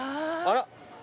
あら。